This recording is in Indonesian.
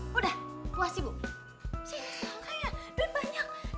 mereka bilang kaya duit banyak